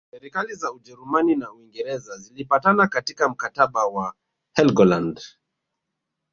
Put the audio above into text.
Serikali za Ujerumani na Uingereza zilipatana katika mkataba wa Helgoland